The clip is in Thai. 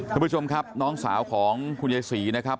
คุณผู้ชมครับน้องสาวของคุณยายศรีนะครับ